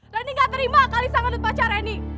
reni gak terima kalissa ngadut pacar reni